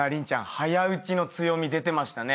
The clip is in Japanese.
早打ちの強み出てましたね。